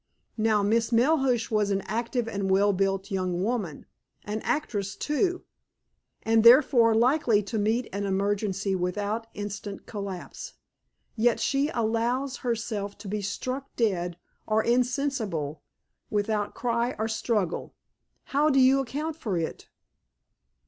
Now, Miss Melhuish was an active and well built young woman, an actress, too, and therefore likely to meet an emergency without instant collapse. Yet she allows herself to be struck dead or insensible without cry or struggle! How do you account for it?"